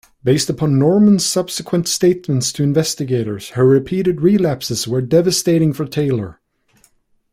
Based upon Normand's subsequent statements to investigators, her repeated relapses were devastating for Taylor.